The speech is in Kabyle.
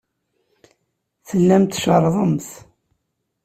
Tellamt tcerrḍemt.